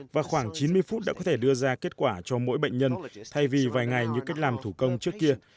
và khoảng chín mươi phút đã có thể đưa ra kết quả cho mỗi bệnh nhân thay vì vài ngày như cách làm thủ công trước kia